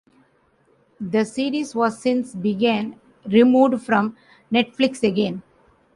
The series has since been removed from Netflix again.